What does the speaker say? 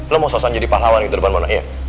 lu mau sosan jadi pahlawan di depan mona iya